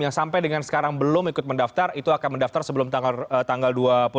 yang sampai dengan sekarang belum ikut mendaftar itu akan mendaftar sebelum tanggal dua puluh